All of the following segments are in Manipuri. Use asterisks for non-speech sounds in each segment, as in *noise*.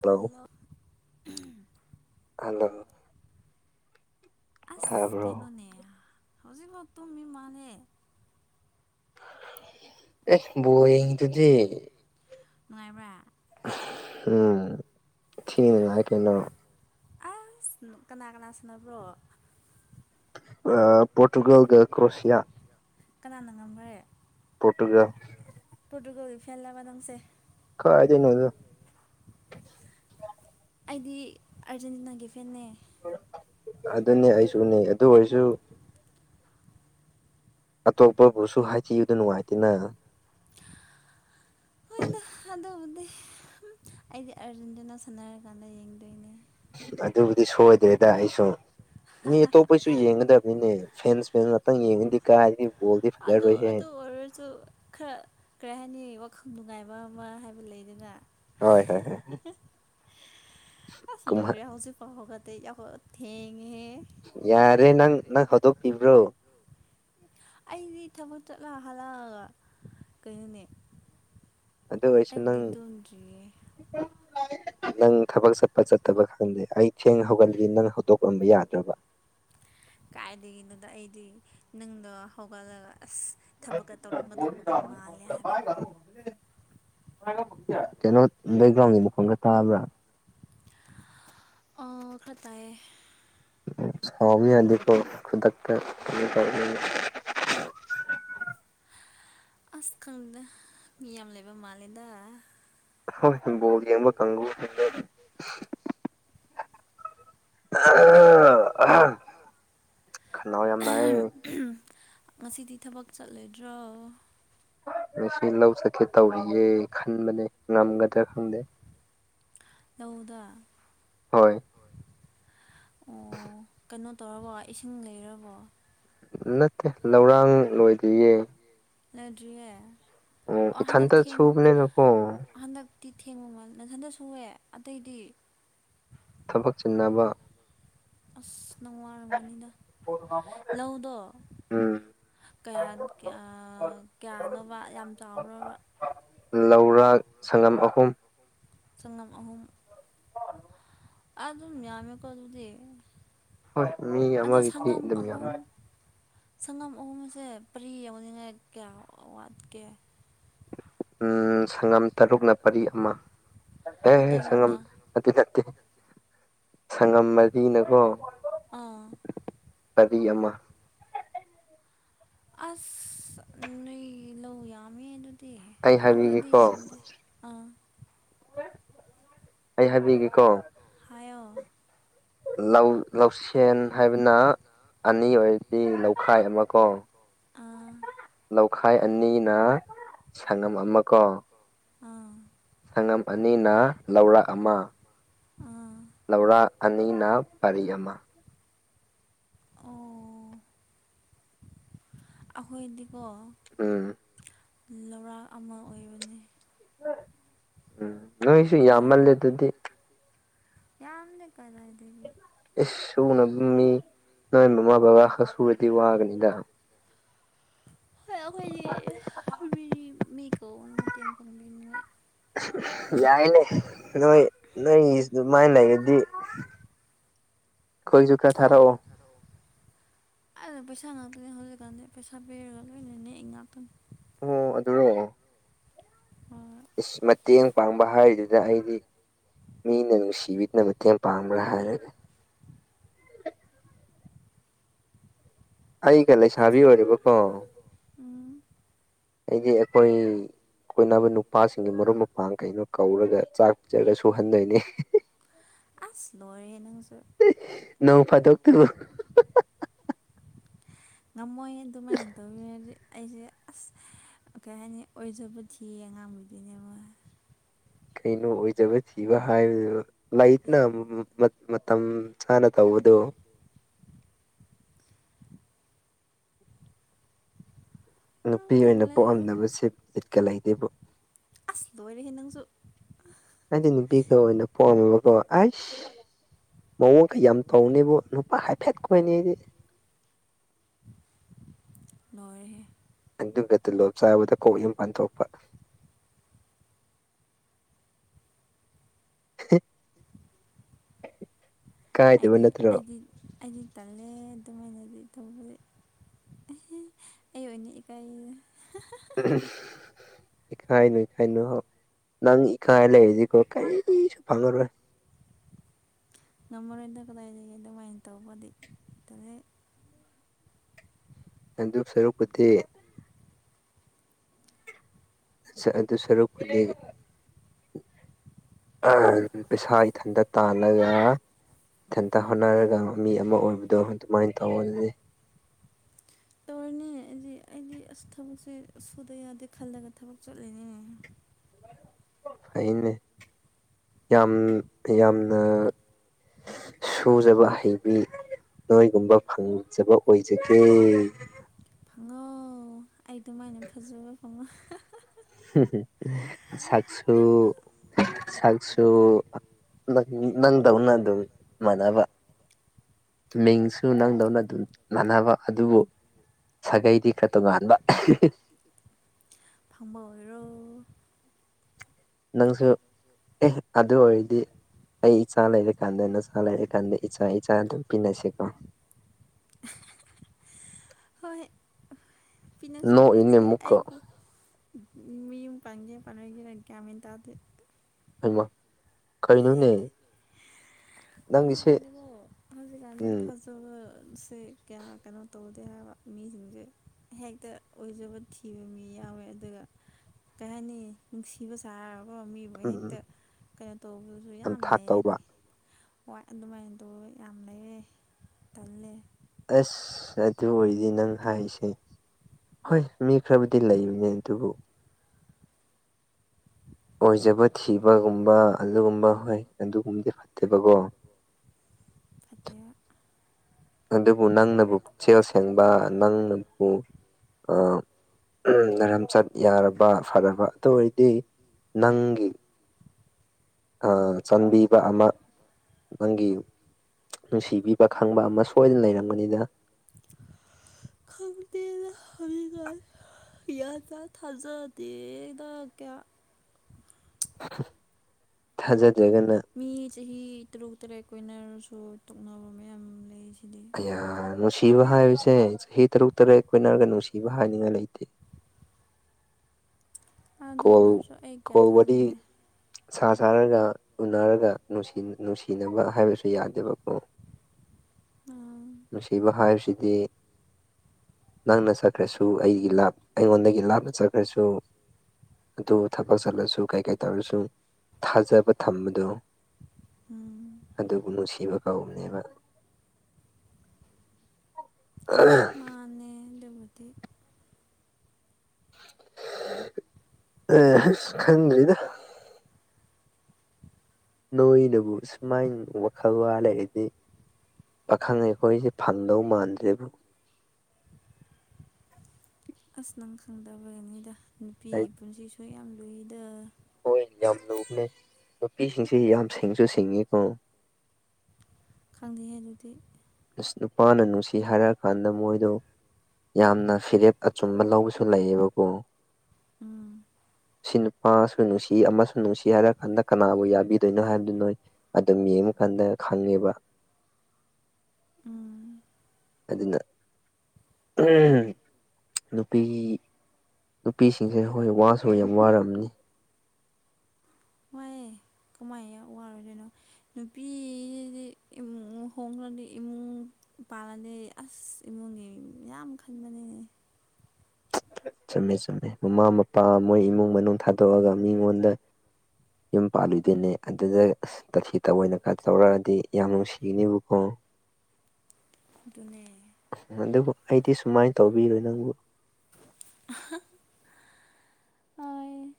ꯍꯜꯂꯣ ꯍꯦꯜꯂꯣ ꯎꯝ ꯍꯥꯂꯣ ꯑꯁ ꯇꯥꯕ꯭ꯔꯣ ꯀꯩꯅꯣꯅꯦ ꯍꯧꯖꯤꯛꯣ ꯇꯨ ꯏ ꯃꯥꯥꯦ ꯑꯦ ꯕꯣꯜ ꯌꯤꯡꯏ ꯌꯦꯡꯏꯗꯨꯗꯤ ꯅꯨꯡꯉꯥꯏꯕ꯭ꯔꯥ ꯎꯝ ꯊꯤꯗꯅ ꯑꯩ ꯀꯩꯅꯣ ꯑꯁ ꯀꯅꯥ ꯀꯅꯥ ꯁꯨꯅꯕ꯭ꯔꯣ ꯄꯣꯔꯇꯨꯒꯜꯒ ꯀ꯭ꯔꯣꯁꯤꯌꯥ ꯀꯅꯥꯅ ꯉꯝꯈ꯭ꯔꯦ ꯄꯣꯔꯇꯨꯒꯜ ꯄ꯭ꯔꯇꯨꯒꯣꯜ ꯐꯦꯟ ꯂꯕ ꯅꯝꯁꯦ ꯀꯗꯅꯣ ꯑꯗꯨ ꯑꯩꯗꯤ ꯑꯥꯔꯖꯦꯟꯇꯤꯅꯥꯒꯤ ꯐꯦꯟꯅꯦ ꯑꯗꯨꯅꯦ ꯑꯩꯁꯨꯅꯤ ꯑꯗꯨ ꯑꯣꯏꯔꯁꯨ ꯑꯇꯣꯞꯄꯕꯨꯁꯨ ꯍꯥꯏꯊꯨꯗ ꯅꯨꯡꯉꯥꯏꯇꯦꯅ ꯍꯣꯏꯗ ꯑꯗꯨꯕꯨꯗꯤ ꯑꯩꯗꯤ ꯑꯥꯔꯖꯦꯟꯗꯨꯅꯥ ꯁꯥꯟꯅꯔꯀꯥꯟꯗ ꯌꯦꯡꯗꯣꯏꯅꯦ ꯑꯗꯨꯕꯨꯗꯤ ꯁꯣꯏꯗ꯭ꯔꯦꯗ ꯑꯩꯁꯨ ꯃꯤ ꯑꯇꯣꯞ ꯑꯩꯈꯣꯏꯁꯨ ꯌꯦꯡꯒꯗꯕꯅꯤꯅꯦ ꯐꯦꯟꯁ ꯐꯦꯟ ꯉꯥꯛꯇꯪ ꯌꯦꯡꯉꯗꯤ ꯀꯗꯤ ꯑꯗ ꯑꯗ ꯑꯣꯏꯁꯨ ꯈꯔ ꯀꯔꯤ ꯍꯥꯏꯅꯤ ꯋꯥꯈꯪ ꯅꯨꯡꯉꯥꯏꯕ ꯑꯃ ꯍꯥꯏꯕ ꯂꯩꯗꯅ ꯍꯣꯏ ꯍꯣꯏ ꯍꯣꯏ ꯑꯁ ꯂꯣꯏ ꯌꯥ ꯀꯨꯝꯍꯟ ꯌꯥ ꯍꯧꯁꯨ ꯍꯍꯣꯗ ꯑꯩꯈꯣꯏ ꯊꯦꯉ ꯑꯦ ꯌꯥꯔꯦ ꯅꯪ ꯅꯪ ꯍꯧꯗꯣꯛꯄꯤꯕ꯭ꯔꯣ ꯑꯩꯗꯤ ꯊꯕꯛ ꯆꯠꯂ ꯍꯥꯜꯂꯛꯑꯒ ꯀꯩꯅꯣꯅꯦ ꯑꯗꯨ ꯑꯣꯏꯔꯁꯨ ꯅꯪ ꯑꯩꯕꯨꯗꯤ ꯇꯨꯝꯗ꯭ꯔꯤꯌꯦ *unintelligible* ꯅꯪ ꯊꯕꯛ ꯆꯠꯄ ꯆꯠꯇꯕ ꯈꯪꯗꯦ ꯑꯩ ꯊꯦꯡ ꯍꯧꯒꯠꯂꯤ ꯅꯪ ꯍꯧꯗꯣꯛꯂꯝꯕ ꯌꯥꯗ꯭ꯔꯕ ꯀꯥꯏꯗꯒꯤꯅꯣꯗ ꯑꯩꯗꯤ ꯅꯪꯗꯣ ꯍꯧꯒꯠꯂꯒ ꯑꯁ ꯊꯕꯛꯀ ꯇꯧꯔꯝꯒꯗꯧꯕꯒ ꯃꯥꯜꯂꯦ ꯍꯥꯏꯕ ꯀꯩꯅꯣ ꯕꯦꯛꯒ꯭ꯔꯥꯎꯟꯒꯤ ꯃꯐꯝꯒ ꯊꯥꯕ꯭ꯔꯥ ꯈꯇꯥꯌꯦ ꯁꯧꯕ ꯌꯗꯦꯀꯣ ꯈꯨꯗꯛꯇ ꯑꯁ ꯈꯪꯗ ꯃꯤ ꯌꯥꯝ ꯂꯩꯕ ꯃꯥꯜꯂꯦꯗ ꯍꯣ ꯌꯦꯡꯕ ꯀꯪꯕꯨꯅꯦ ꯈꯥꯟꯅꯥ ꯋꯥ ꯌꯥꯝ ꯌꯥꯝ ꯏ ꯉꯁꯤꯗꯤ ꯊꯕꯛ ꯆꯠꯂꯣꯏꯗ꯭ꯔꯣ ꯉ ꯂꯧ ꯆꯠꯀꯦ ꯇꯧꯔꯤꯌꯦꯦ ꯈꯟꯕꯅꯦ ꯉꯝꯒꯗ꯭ꯔꯥ ꯈꯪꯗꯦ ꯂꯧꯗ ꯍꯣꯏ ꯑꯣ ꯀꯩꯅꯣ ꯇꯧꯔꯕꯣ ꯏꯁꯤꯡ ꯂꯩꯔꯕꯣ ꯅꯠꯇꯦ ꯂꯧꯔꯥꯡ ꯂꯣꯏꯗꯤꯌꯦ ꯂꯩꯗ꯭ꯔꯤꯌꯦ ꯑꯣ ꯍꯟꯗꯛ ꯏꯊꯟꯇ ꯊꯦꯡ ꯁꯨꯕꯅꯤꯅꯀꯣ ꯍꯟꯗꯛ ꯇꯤ ꯊꯦꯡꯕꯃꯜ ꯅꯟꯊꯟꯗ ꯁꯨꯑꯦ ꯑꯇꯩꯗꯤ ꯊꯕꯛ ꯆꯤꯟꯅꯕ ꯑꯁ ꯅꯪ ꯋꯥꯔꯝꯒꯅꯤꯗ ꯂꯧꯗꯣ ꯎꯝ ꯌꯥ ꯀꯌꯥꯅꯣꯕ ꯌꯥꯝ ꯆꯥꯎꯕ꯭ꯔꯕ ꯂꯧꯔꯥꯛ ꯁꯪꯉꯝ ꯑꯍꯨꯝ ꯁꯪꯉꯝ ꯑꯍꯨꯝ ꯍꯂꯣ ꯑ ꯑꯗꯨꯝ ꯌꯥꯝꯃꯦ ꯀꯣꯗꯨꯗꯦ ꯍꯣꯏ ꯃꯤ ꯑꯗꯣ ꯑꯃꯒꯤꯗꯤ ꯁꯒꯝ ꯑꯗꯨꯝ ꯑꯍꯨꯝ ꯌꯥꯝꯃꯦ ꯁꯪꯒꯝ ꯑꯍꯨꯝꯁꯦ ꯄꯔꯤ ꯌꯧꯅꯤꯡꯉꯥꯏ ꯀꯌꯥ ꯋꯥꯠꯀꯦ ꯎꯝ ꯁꯪꯉꯝ ꯇꯔꯨꯛꯅ ꯄꯔꯤ ꯑꯃ ꯑꯦ ꯁꯪꯉꯝ ꯇꯔꯨꯛꯅ ꯑꯗꯨ ꯅꯠꯇꯦ ꯁꯪꯉꯝ ꯃꯔꯤꯅꯀꯣ ꯑꯥ ꯄꯔꯤ ꯑꯃ ꯑꯁ ꯅꯣꯏ ꯂꯧ ꯌꯥꯝꯃꯦ ꯑꯗꯨꯅ ꯑꯩ ꯑꯩꯈꯣꯏꯗꯤ ꯍꯥꯏꯕꯤꯒꯦꯀꯣ ꯌꯥꯝꯗꯦ ꯑꯥ ꯑꯩ ꯍꯥꯏꯕꯤꯒꯦꯀꯣ ꯍꯥꯏꯌꯣ ꯂꯧ ꯂꯧꯁꯦꯟ ꯍꯥꯏꯕꯅ ꯑꯅꯤ ꯑꯣꯏꯔꯗꯤ ꯂꯧꯈꯥꯏ ꯑꯃ ꯀꯣ ꯑꯥ ꯂꯧꯈꯥꯏ ꯑꯅꯤꯅ ꯁꯪꯉꯝ ꯑꯃ ꯀꯣ ꯑꯥ ꯁꯪꯉꯝ ꯑꯅꯤꯅ ꯂꯧꯔꯥꯛ ꯑꯃ ꯑꯥ ꯂꯧꯔꯥꯛ ꯑꯅꯤꯅ ꯄꯔꯤ ꯑꯃ ꯑꯣ ꯑꯩꯈꯣꯏꯗꯤꯀꯣ ꯑ ꯂꯧꯔꯥꯛ ꯑꯃ ꯑꯣꯏꯕꯅꯤ ꯎꯝ ꯅꯣꯏꯁꯨ *unintelligible* ꯌꯥꯝꯃꯜꯂꯦ ꯑꯗꯨꯗꯤ ꯌꯥꯝꯂꯦ ꯀꯗꯥꯏꯗꯒꯤ ꯑꯦ ꯁꯨꯅꯕ ꯃꯤ ꯅꯣꯏ ꯃꯃꯥ ꯕꯕꯥ ꯈꯛ ꯁꯨꯔꯗꯤ ꯋꯥꯒꯅꯤꯗ ꯍꯣꯏ ꯑꯩꯈꯣꯏꯗꯤ ꯃꯤ ꯃꯤ ꯀꯧꯕ ꯃꯇꯦꯡ ꯄꯥꯡꯕꯤꯅꯤꯡꯉꯥꯏ ꯌꯥꯏꯅꯦ ꯅꯣꯏ ꯅꯣꯏ ꯑꯗꯨꯃꯥꯏꯅ ꯂꯩꯔꯗꯤ ꯑꯩꯈꯣꯏꯁꯨ ꯈꯔ ꯊꯥꯔꯛꯑꯣ ꯀꯛꯇ ꯈꯔ ꯑꯣ *unintelligible* ꯑꯩꯅ ꯄꯩꯁꯥ ꯉꯥꯛꯇꯅꯦ ꯍꯧꯖꯤꯛꯀꯥꯟꯗꯤ ꯄꯩꯁꯥ ꯄꯤꯔꯒ ꯂꯣꯏꯅ ꯅꯦꯛꯏ ꯉꯥꯛꯇꯅꯤ ꯑꯣ ꯑꯗꯨꯔꯣ *inaudible* ꯏꯁ ꯃꯇꯦꯡ ꯄꯥꯡꯕ ꯍꯥꯏꯔꯤꯗꯨꯗ ꯑꯩꯗꯤ ꯃꯤꯅ ꯅꯨꯡꯁꯤꯕꯤꯗꯨꯅ ꯃꯇꯦꯡ ꯄꯥꯡꯕ꯭ꯔꯥ ꯍꯥꯏꯔꯒ ꯑꯩꯒ ꯂꯩꯁꯕꯤ ꯑꯗꯨꯝ ꯑꯣꯏꯔꯔꯤꯕꯣ ꯀꯣ ꯎꯝ ꯍꯥꯏꯗꯤ ꯑꯩꯈꯣꯏ ꯀꯣꯏꯅꯕ ꯅꯨꯄꯥꯁꯤꯡꯒꯤ ꯃꯔꯨꯞ ꯃꯄꯥꯡ ꯀꯩꯅꯣ ꯀꯧꯔꯒ ꯆꯥꯛ ꯆꯔ ꯁꯨꯍꯟꯗꯣꯏꯅꯦ ꯑꯁ ꯂꯣꯏꯔꯦ ꯅꯪꯖꯨ ꯅꯣꯡꯐꯗꯣꯛ ꯇꯨꯕꯨ ꯉꯝꯃꯣꯏ ꯑꯗꯨꯃꯥꯏꯅ ꯇꯧꯋꯤ ꯍꯧꯖꯤ ꯑꯩꯁꯦ ꯑꯁ ꯀꯩ ꯍꯥꯏꯅꯤ ꯑꯣꯏꯖꯕ ꯊꯤꯌꯦ ꯑꯉꯥꯡꯕꯨꯗꯨꯅꯦꯕ ꯀꯩꯅꯣ ꯑꯣꯏꯖꯕ ꯊꯤꯕ ꯍꯥꯏꯕꯗꯨꯗ ꯂꯩꯗꯅ ꯃꯇꯝ ꯆꯥꯅ ꯇꯧꯕꯗꯣ ꯎꯝ ꯅꯨꯄꯤ ꯑꯣꯏꯅ ꯇꯜꯂꯦ ꯄꯣꯛꯑꯝꯗꯅꯕꯁꯦ ꯕꯤꯠꯀ ꯂꯩꯇꯦꯕꯨ ꯑ ꯂꯣꯏꯔꯦꯍꯦ ꯅꯪꯁꯨ ꯑꯩꯗꯤ ꯅꯨꯄꯤꯒ ꯑꯣꯏꯅ ꯄꯣꯛꯑꯝꯃꯕꯀꯣ ꯑꯩꯁ ꯃꯑꯣꯡ ꯀ ꯌꯥꯝ ꯇꯧꯅꯦꯕꯨ ꯅꯨꯄꯥ ꯍꯥꯏꯐꯦꯠ ꯈꯣꯏꯅꯤꯗꯤ ꯂꯣꯏꯔꯦꯍꯦ ꯑꯗꯨꯒ ꯇꯂꯣꯞ ꯆꯥꯕꯗ ꯀꯣꯛ ꯌꯨꯝ ꯄꯥꯟꯊꯣꯛꯄ꯫ ꯍꯦ *unintelligible* ꯑꯩꯗꯤ ꯑꯩꯗꯤ ꯑꯩꯗꯤ ꯇꯜꯂꯦ ꯑꯗꯨꯃꯥꯏꯅꯗꯤ ꯇꯧꯕꯗꯤ꯫ ꯑꯨꯡ ꯑꯩꯑꯣꯏꯌꯦ ꯍꯥꯍꯥ ꯎ *unintelligible* ꯏꯈꯥꯏꯅꯣ ꯏꯀꯥꯏꯅꯣ ꯅꯪ ꯏꯈꯥꯏ ꯂꯩꯔꯗꯤꯀꯣ ꯀꯔꯤꯁꯨ ꯐꯪꯉꯔꯣꯏ꯫ ꯉꯝꯃꯔꯣꯏꯗ ꯀꯗꯥꯏꯗꯒꯤꯑꯗꯨꯃꯥꯏ ꯇꯧꯕꯗꯤ ꯇꯜꯂꯦꯍꯦ꯫ ꯅꯟꯗꯨꯄ ꯁꯔꯨꯛꯄꯨꯗꯤ ꯁꯥ ꯑꯗꯨ ꯁꯔꯨꯛꯄꯨꯗꯤ *unintelligible* ꯑꯥ ꯄꯩꯁꯥ ꯏꯊꯟꯗ ꯇꯥꯜꯂꯒ ꯏꯊꯟꯇ ꯍꯣꯠꯅꯔꯒ ꯃꯤ ꯑꯃ ꯑꯣꯏꯕꯗꯣ ꯑꯗꯨꯃꯥꯏꯟ ꯇꯧꯑꯣ ꯑꯗꯨꯗꯤ ꯇꯧꯔꯤꯅꯦ ꯑꯩꯗꯤ ꯑꯩꯗꯤ ꯑꯁ ꯊꯕꯛꯁꯦ ꯁꯨꯗ ꯌꯥꯗꯦ ꯈꯜꯂꯒ ꯊꯕꯛ ꯆꯠꯂꯤꯅꯤꯅꯦꯍꯦ꯫ ꯐꯩꯅꯦ ꯌꯥꯝ ꯌꯥꯝꯅ ꯁꯨꯖꯕ ꯍꯩꯕꯤ ꯅꯣꯏꯒꯨꯝꯕ ꯐꯪꯖꯕ ꯑꯣꯏꯖꯒꯦ ꯐꯪꯉꯣ ꯑꯩ ꯑꯗꯨꯃꯥꯏꯅ ꯐꯖꯕ ꯈꯪꯉꯣ ꯍꯥ ꯁꯛꯁꯨꯨ ꯁꯛꯁꯨꯨ ꯅꯪ ꯅꯪꯗꯧꯅ ꯑꯗꯨ ꯃꯅꯥꯅꯕ꯫ ꯃꯤꯡꯁꯨ ꯅꯪꯗꯧꯅ ꯑꯗꯨꯝ ꯃꯥꯟꯅꯕ ꯑꯗꯨꯕꯨ꯫ ꯁꯥꯒꯩꯗꯤ ꯈꯔ ꯇꯣꯉꯥꯟꯕ ꯐꯪꯕ ꯑꯣꯏꯔꯣ ꯅꯪꯁꯨ ꯑꯦ ꯑꯗꯨ ꯑꯣꯏꯔꯗꯤ ꯑꯩ ꯏꯆꯥ ꯂꯩꯔꯀꯥꯟꯗ ꯅꯆꯥ ꯂꯩꯔꯀꯥꯟꯗ ꯏꯆꯥ ꯏꯆꯥ ꯑꯗꯨꯝ ꯄꯤꯅꯁꯤꯀꯣ꯫ ꯍꯣꯏ ꯄꯤꯅꯁ‌ꯦ ꯅꯣꯛꯏꯅꯦ ꯄꯤꯅꯁꯦ ꯑꯃꯨꯛꯀ ꯑꯩꯕꯨ꯫ ꯑꯨꯝ ꯃꯥꯌꯨꯝ ꯄꯥꯟꯒꯦ ꯄꯥꯟꯂ‌ꯣꯏꯒꯦꯔ ꯒ꯭ꯌꯥꯟ ꯃꯦꯟ ꯇꯥꯗ‌ꯦ ꯍꯩꯃꯥ ꯀꯩꯅꯣꯅꯦ ꯅꯪꯒꯤꯁꯦ ꯍꯧꯖꯤꯛꯀꯥꯟꯗꯤꯀꯣ ꯍꯧꯖꯤꯛꯀꯥꯟꯗꯤ ꯎꯝ ꯊꯥꯖꯕꯁꯦ ꯀꯌꯥ ꯀꯩꯅꯣ ꯇꯧꯗꯦ ꯍꯥꯏꯕ꯫ ꯃꯤꯁꯤꯡꯖꯦ ꯍꯦꯛꯇ ꯑꯣꯏꯖꯕ ꯊꯤꯕ ꯃꯤ ꯌꯥꯎꯋꯦ ꯑꯗꯨꯒ ꯀꯩꯍꯥꯏꯅꯤ ꯅꯤꯡꯁꯤ ꯅꯨꯡꯁꯤꯕ ꯁꯥꯔ ꯀꯣ ꯃꯤꯕꯨ ꯎꯝ ꯎꯝ ꯍꯦꯛꯇ ꯀꯩꯅꯣ ꯇꯧꯕꯖꯨ ꯌꯥꯝ ꯊꯥꯛ ꯂꯩꯌꯦꯗꯤ꯫ ꯇꯧꯕ ꯍꯣꯏ ꯑꯗꯨꯃꯥꯏꯅ ꯇꯧꯕ ꯌꯥꯝ ꯂꯩꯌ‌ꯦ ꯇꯜꯂꯦ꯫ ꯑꯁ ꯑꯗꯨ ꯑꯣꯏꯗꯤ ꯅꯪ ꯍꯥꯏꯁꯦ꯫ ꯍꯣꯏ ꯃꯤ ꯈꯔꯕꯨꯗꯤ ꯂꯩꯕꯅꯦ ꯑꯗꯨꯕꯨ꯫ ꯑꯣꯏꯖꯕ ꯊꯤꯕꯒꯨꯝꯕ ꯑꯗꯨꯒꯨꯝꯕ ꯍꯣꯏ ꯑꯗꯨꯒꯨꯝꯕꯗꯤ ꯐꯠꯇꯦꯕꯀꯣ꯫ ꯐꯠꯇꯦꯕꯥ꯫ ꯑꯗꯨꯕꯨ ꯅꯪꯅꯕꯨ ꯄꯨꯛꯆꯦꯜ ꯁꯦꯡꯕ ꯅꯪꯅꯕꯨ ꯑ ꯅꯔꯝꯆꯠ ꯌꯥꯔꯕ ꯐꯔꯕ ꯑꯗꯨ ꯑꯣꯏꯔꯗꯤ ꯅꯪꯒꯤ꯫ ꯑ ꯆꯥꯟꯕꯤꯕ ꯑꯃ ꯅꯪꯒꯤ꯫ ꯅꯨꯡꯁꯤꯕꯤꯕ ꯈꯪꯕ ꯑꯃ ꯁꯣꯏꯗꯅ ꯂꯩꯔꯝꯒꯅꯤꯗ꯫ ꯈꯪꯇꯦꯗ꯫ ꯍꯧꯖꯤꯛꯀꯥꯟꯁ‌ꯦ ꯒꯌꯥꯟ ꯇꯥꯗ‌ꯦ ꯊꯥꯖꯗꯦꯗ ꯀꯌꯥ꯫ ꯊꯥꯖꯥꯗ꯭ꯔꯥꯒꯅ꯫ ꯃꯤ ꯆꯍꯤ ꯇꯔꯨꯛ ꯇꯔꯦꯠ ꯀꯣꯏꯅꯔꯁꯨ ꯇꯣꯛꯅꯕ ꯃꯌꯥꯝ ꯂꯩ ꯔꯤꯁꯤꯗꯤ꯫ ꯅꯨꯡꯁꯤꯕ ꯍꯥꯏꯕꯁꯦ ꯆꯍꯤ ꯇꯔꯨꯛ ꯇꯔꯦꯠ ꯀꯣꯏꯅꯔꯒ ꯅꯨꯡꯁꯤꯕ ꯍꯥꯏꯅꯤꯡꯉꯥꯏ ꯂꯩꯇꯦ꯫ ꯑꯗꯨ ꯀꯣꯜ ꯑꯣꯏꯔꯁꯨ ꯑꯩ ꯀꯌꯥ ꯀꯣꯜ ꯋꯥꯔꯤ ꯊꯥꯖꯗꯦ꯫ ꯁꯥ ꯁꯥꯔꯒ ꯎꯅꯔꯒ ꯅꯨꯡꯁꯤ ꯅꯨꯡꯁꯤꯅꯕ ꯍꯥꯏꯕꯁꯨ ꯌꯥꯗꯦꯕꯀꯣ꯫ *unintelligible* ꯎꯝ ꯅꯨꯡꯁꯤꯕ ꯍꯥꯏꯕꯁꯤꯗꯤ꯫ ꯅꯪꯅ ꯆꯠꯈ꯭ꯔꯁꯨ ꯑꯩꯒꯤ ꯂꯥꯞ ꯑꯩꯉꯣꯟꯗꯒꯤ ꯂꯥꯞꯅ ꯆꯠꯈ꯭ꯔꯁꯨ꯫ ꯑꯗꯨ ꯊꯕꯛ ꯆꯠꯂꯁꯨ ꯀꯩ ꯀꯩ ꯇꯧꯔꯁꯨ ꯊꯥꯖꯕ ꯊꯝꯕꯗꯨ꯫ ꯎꯝ ꯑꯗꯨꯕꯨ ꯅꯨꯡꯁꯤꯕ ꯀꯧꯕꯅꯦꯕ *inaudible* ꯃꯥꯅꯦ *inaudible* ꯑ ꯈꯪꯗꯔꯤꯗ ꯅꯣꯏꯅꯕꯨ ꯁꯨꯃꯥꯏꯅ ꯋꯥꯈꯜ ꯋꯥ ꯂꯩꯔꯗꯤ ꯄꯥꯈꯪ ꯑꯩꯈꯣꯏꯁꯦ ꯐꯪꯗꯧ ꯃꯥꯟꯗꯔ‌ꯦꯕꯨ ꯑꯁ ꯅꯪ ꯈꯪꯗꯕ ꯒꯤꯅꯤꯗ ꯅꯨꯄꯤꯁꯨ ꯍꯥꯏꯗꯤ ꯄꯨꯟꯁꯤꯁꯨ ꯌꯥꯝ ꯂꯨꯏꯗ ꯍꯣꯏ ꯌꯥꯝ ꯂꯨꯕꯅꯦ ꯅꯨꯄꯤꯁꯤꯡꯁꯤ ꯌꯥꯝ ꯁꯤꯡꯁꯨ ꯁꯤꯡꯉꯤꯀꯣ ꯈꯪꯗ‌ꯦꯍ‌ꯦ ꯑꯗꯨꯗꯤ ꯑꯁ ꯅꯨꯄꯥꯅ ꯅꯨꯡꯁꯤ ꯍꯥꯏꯔꯛꯑ ꯀꯥꯟꯗ ꯃꯣꯏꯗꯣ ꯌꯥꯝꯅ ꯐꯤꯔꯦꯞ ꯑꯆꯨꯝꯕ ꯂꯧꯕꯁꯨ ꯂꯩꯌꯦꯕꯀꯣ ꯎꯝ ꯁꯤ ꯅꯨꯄꯥꯁꯨ ꯅꯨꯡꯁꯤ ꯑꯃꯁꯨ ꯅꯨꯡꯁꯤ ꯍꯥꯏꯔ ꯀꯥꯟꯗ ꯀꯅꯥꯕꯨ ꯌꯥꯕꯤꯗꯣꯏꯅꯣ ꯍꯥꯏꯕꯗꯨ ꯅꯣꯏ ꯑꯗꯨꯝ ꯌꯦꯡꯉꯀꯥꯟꯗ ꯈꯪꯉꯦꯕ ꯎꯝ ꯑꯗꯨꯅ ꯎ ꯅꯨꯄꯤ ꯅꯨꯄꯤꯁꯤꯡꯁꯦ ꯍꯣꯏ ꯋꯥꯁꯨ ꯌꯥꯝ ꯋꯥꯝꯅꯤ ꯋꯥꯏꯌꯦ ꯀꯃꯥꯏꯅ ꯑꯣꯏꯔꯣꯏꯗꯣꯏꯅꯣ ꯅꯨꯄꯤ ꯏꯃꯨꯡ ꯍꯣꯡꯈ꯭ꯔꯗꯤ ꯏꯃꯨꯡ ꯄꯥꯜꯂꯅꯦ ꯑꯁ ꯏꯃꯨꯡꯒꯤ ꯌꯥꯝ ꯈꯟꯕꯅꯦ ꯆꯨꯝꯃꯦ ꯆꯨꯝꯃꯦ ꯃꯃꯥ ꯃꯄꯥ ꯃꯣꯏ ꯏꯃꯨꯡ ꯃꯅꯨꯡ ꯊꯥꯗꯣꯛꯑꯒ ꯃꯤꯉꯣꯟꯗ ꯌꯨꯝ ꯄꯥꯜꯂꯨꯗꯣꯏꯅꯦ ꯑꯗꯨꯗ ꯇ ꯁꯤ ꯇꯑꯣꯏ ꯑꯣꯏꯅ ꯀ ꯇꯧꯔꯛꯑꯗꯤ ꯌꯥꯝ ꯅꯨꯡꯁꯤꯒꯅꯤꯕꯀꯣ ꯑꯗꯨꯅꯦ ꯑꯗꯨꯕꯨ ꯑꯩꯗꯤ ꯁꯨꯃꯥꯏꯅ ꯇꯧꯕꯤꯔꯨ ꯅꯪꯕꯨ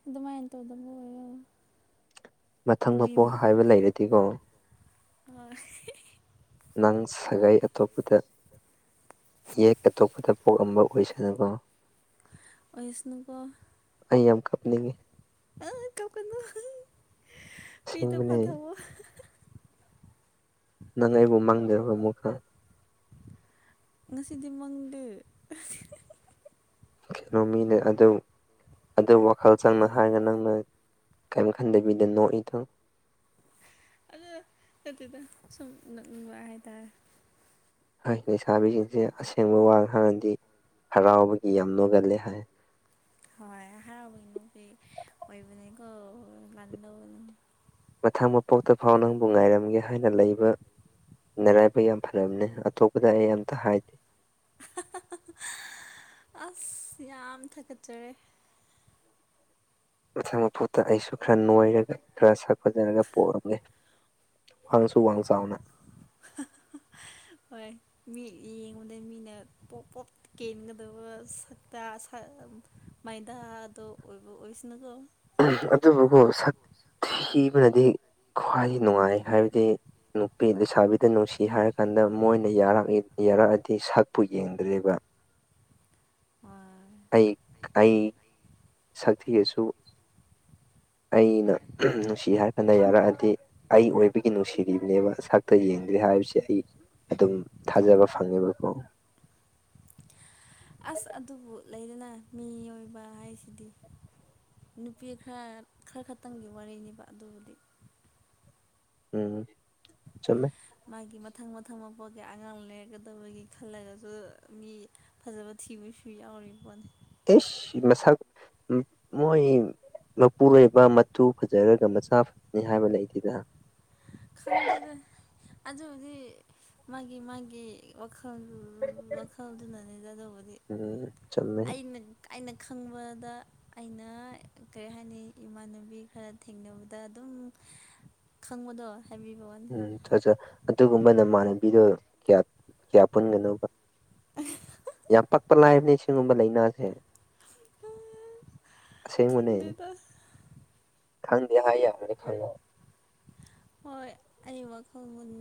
ꯑꯗꯨꯃꯥꯏꯅꯟꯇꯧꯗꯕꯨꯣꯣ ꯃꯊꯪ ꯃꯄꯣꯛ ꯍꯥꯏꯕ ꯂꯩꯔꯗꯤꯀꯣ ꯍ ꯅꯪ ꯁꯥꯒꯩ ꯑꯇꯣꯞꯄꯗ ꯌꯦꯛ ꯑꯇꯣꯞꯄꯗ ꯄꯣꯛꯑꯝꯕ ꯑꯣꯏꯣꯏꯁꯗꯅꯕ ꯑꯣꯁꯅꯨꯒꯣ ꯑꯩ ꯌꯥꯝ ꯀꯞꯅꯤꯡꯒꯦ ꯑ ꯀ ꯀꯅ ꯄꯤꯗ ꯑꯁꯦꯡꯕꯅꯦ ꯐꯊꯕꯣ ꯅꯪ ꯑꯩꯕꯨ ꯃꯥꯡꯗꯕ ꯑꯃꯨꯛ ꯈ ꯉꯁꯤꯗꯤ ꯃꯪꯗ ꯀꯩꯅꯣꯃꯤꯅꯦ ꯑꯗꯨ ꯑꯗꯨ ꯋꯥꯈꯜ ꯆꯪꯅ ꯍꯥꯏꯔꯒ ꯅꯪꯅ ꯀꯔꯤꯝ ꯈꯟꯗꯕꯤꯗ ꯅꯣꯛꯏꯗꯣ ꯑꯗꯨꯗ ꯑꯗꯨꯗ ꯁꯨꯝ ꯅꯛꯅꯤꯡꯕ ꯍꯥꯏꯇꯥꯔꯦ ꯍꯥꯏ ꯂꯩꯁꯥꯕꯤꯁꯤꯡꯁꯦ ꯑꯁꯦꯡꯕ ꯋꯥ ꯉꯥꯡꯔꯗꯤ ꯍꯔꯥꯎꯕꯒꯤ ꯌꯥꯝ ꯅꯣꯒꯜꯂꯦ ꯍꯥꯏ ꯍꯣꯏ ꯍꯥꯅꯨ ꯀ ꯑꯣꯏꯕꯅꯦꯀꯣ ꯂꯥꯟꯗ ꯃꯊꯪ ꯃꯄꯣꯛꯇ ꯐꯥꯎ ꯅꯪꯕꯨ ꯉꯥꯏꯔꯝꯒꯦ ꯍꯥꯏꯅ ꯂꯩꯕ ꯅꯔꯥꯏꯕꯛ ꯌꯥꯝ ꯐꯕꯅꯦ ꯑꯇꯣꯞꯄꯗ ꯑꯩ ꯑꯝꯇ ꯍꯥꯏꯗꯦ ꯑꯁ ꯌꯥꯝ ꯊꯥꯒꯠꯆꯔꯦ ꯃꯊꯪ ꯃꯄꯨꯠꯇ ꯑꯩꯁꯨ ꯈꯔ ꯅꯣꯏꯔꯒ ꯈꯔ ꯁꯒꯠꯖꯔꯒ ꯄꯣꯛꯔꯝꯒꯦ ꯋꯥꯪꯁꯨ ꯋꯥꯡ ꯆꯥꯎꯅ ꯍꯣꯏ ꯃꯤ ꯌꯦꯡꯉꯨꯗ ꯃꯤꯅ ꯄꯣꯞ ꯄꯣꯞ ꯀꯦꯟꯒꯗꯕ ꯁꯛꯇ ꯃꯥꯏꯗꯥꯗ ꯑꯣꯏ ꯑꯣꯏꯁꯅꯀꯣ ꯑꯗꯨꯕꯨꯕꯨ ꯁꯛ ꯊꯤꯕꯅꯗꯤ ꯈ꯭ꯋꯥꯏ ꯅꯨꯡꯉꯥꯏ ꯍꯥꯏꯕꯗꯤ ꯅꯨꯄꯤ ꯂꯩꯁꯥꯕꯤꯗ ꯅꯨꯡꯁꯤ ꯍꯥꯏꯔ ꯀꯥꯟꯗ ꯃꯣꯏꯅꯔ ꯌꯥꯔꯛꯑꯗꯤ ꯁꯛꯄꯨ ꯌꯦꯡꯗ꯭ꯔꯦꯕ *unintelligible* ꯍꯣꯏ ꯑꯩ ꯑꯩ ꯁꯊꯤꯗꯁꯨ ꯑꯩꯅ ꯅꯨꯡꯁꯤ ꯍꯥꯏꯐꯅ ꯌꯥꯔꯛꯑꯗꯤ ꯑꯩ ꯑꯣꯏꯕꯒꯤ ꯅꯨꯡꯁꯤꯔꯤꯕꯅꯦꯕ ꯁꯛꯇ ꯌꯦꯡꯗ꯭ꯔꯦ ꯍꯥꯏꯕꯁꯦ ꯑꯩ ꯑꯗꯨꯝ ꯊꯥꯖꯕ ꯐꯪꯉꯦꯕꯀꯣ ꯑꯁ ꯑꯗꯨꯕꯨ ꯂꯩꯗꯅ ꯃꯤꯑꯣꯏꯕ ꯍꯥꯏꯁꯤꯗꯤ ꯅꯨꯄꯤ ꯈꯔ ꯈꯔ ꯈꯛꯇꯪꯒꯤ ꯋꯥꯔꯤꯅꯦꯕ ꯑꯗꯨꯕꯨꯗꯤ ꯎꯝ ꯆꯃꯦ ꯃꯥꯒꯤ ꯃꯊꯪ ꯃꯊꯪ ꯃꯄꯣꯛꯀ ꯑꯉꯥꯡ ꯂꯩꯔꯛꯀꯗꯕꯒꯤ ꯈꯜꯂꯒꯁꯨ ꯃꯤ ꯐꯖꯕ ꯊꯤꯕꯁꯨ ꯌꯥꯎꯔꯤꯕ ꯄꯣꯠꯅꯤ ꯇꯦꯁ ꯃꯁꯜ ꯃꯣꯏ ꯃꯄꯨꯔꯣꯏꯕ ꯃꯆꯨ ꯐꯖꯔꯒ ꯃꯆꯥ ꯐꯖꯅꯤ ꯍꯥꯏꯕ ꯂꯩꯇꯦꯗ ꯈꯪꯗꯦꯗ ꯑꯗꯨ ꯍꯧꯗꯤ ꯃꯥꯒꯤ ꯃꯥꯒꯤ ꯋꯥꯈꯜ ꯋꯥꯈꯜꯗꯨꯅꯅꯦꯒꯗꯧꯕꯗꯤ ꯎꯝ ꯆꯨꯝꯃꯦ ꯑꯩꯅ ꯑꯩꯅ ꯈꯪꯕꯗ ꯑꯩꯅ ꯀꯔꯤ ꯍꯥꯏꯅꯤ ꯏꯃꯥꯟꯅꯕꯤ ꯈꯔ ꯊꯦꯡꯅꯕꯗ ꯑꯗꯨꯝ ꯈꯪꯕꯗꯣ ꯍꯥꯏꯕꯤꯕ ꯋꯥꯅꯤ ꯎꯝ ꯐꯠ ꯑꯗꯨꯒꯨꯝꯕ ꯅꯃꯥꯟꯅꯕꯤꯗꯣꯌꯥ ꯀꯌꯥ ꯄꯨꯟꯒꯅꯧꯕ ꯌꯥꯝ ꯄꯛꯄ ꯂꯥꯏꯕꯅꯦ ꯁꯤꯒꯨꯝꯕ ꯂꯥꯏꯅꯥꯁꯦ ꯁ ꯈꯪꯗꯦꯗ ꯃꯅꯦꯪꯦꯍ ꯈ ꯍꯣꯏ ꯑꯩ ꯋꯥꯈꯜꯅꯤ